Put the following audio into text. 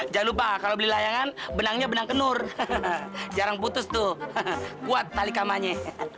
jangan lupa kalau beli layangan benangnya benang kenur jarang putus tuh kuat tali kamarnya